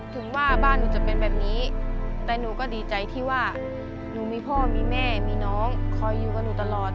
ถึงว่าบ้านหนูจะเป็นแบบนี้แต่หนูก็ดีใจที่ว่าหนูมีพ่อมีแม่มีน้องคอยอยู่กับหนูตลอด